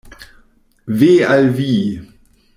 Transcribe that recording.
Ve al vi!